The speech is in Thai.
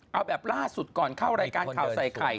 เอาแบบล่าสุดก่อนเข้ารายการข่าวใส่ไข่